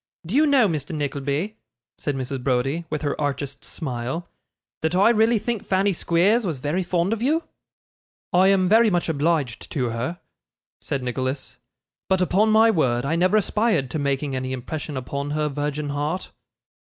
Do you know, Mr. Nickleby,' said Mrs. Browdie, with her archest smile, 'that I really think Fanny Squeers was very fond of you?' 'I am very much obliged to her,' said Nicholas; 'but upon my word, I never aspired to making any impression upon her virgin heart.